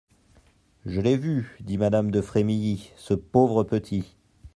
Je l'ai vu, dit madame de Frémilly, ce pauvre petit.